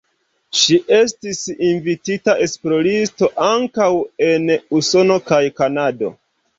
Ŝi estis invitita esploristo ankaŭ en Usono kaj Kanado.